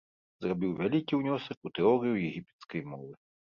Зрабіў вялікі ўнёсак у тэорыю егіпецкай мовы.